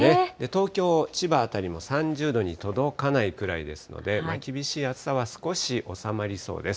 東京、千葉辺りも３０度に届かないくらいですので、厳しい暑さは少し収まりそうです。